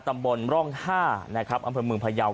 ตำบลร่อง๕นะครับอำเภอเมืองพยาว